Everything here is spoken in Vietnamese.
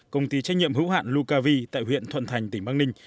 công ty trách nhiệm hữu hạn lucavi tại huyện thuận thành tỉnh bắc ninh